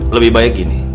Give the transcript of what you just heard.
lebih baik gini